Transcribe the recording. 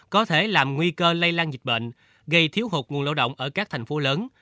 có thể làm nguy cơ lây lan dịch bệnh gây thiếu hụt nguồn lao động ở các thành phố lớn